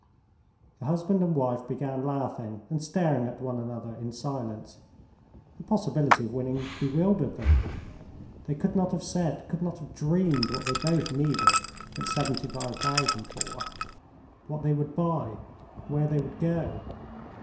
The husband and wife began laughing and staring at one another in silence. The possibility of winning bewildered them; they could not have said, could not have dreamed, what they both needed that seventy five thousand for, what they would buy, where they would go.